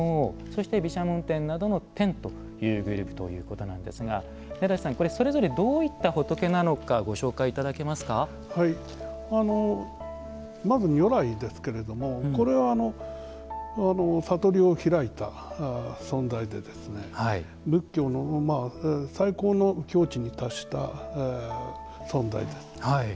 そして毘沙門天などの天というグループということなんですが根立さん、これ、それぞれどういった仏なのかまず、如来ですけれどもこれは悟りを開いた存在で仏教の最高の境地に達した存在です。